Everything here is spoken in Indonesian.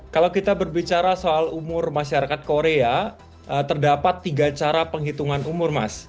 kalau kita berbicara soal umur masyarakat korea terdapat tiga cara penghitungan umur mas